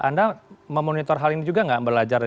anda memonitor hal ini juga nggak belajar